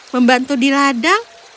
membantu di ladang